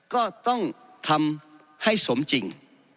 ก็ต้องทำให้สมจริง